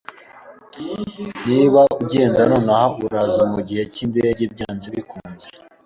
Niba ugenda nonaha, uzaba mugihe cyindege byanze bikunze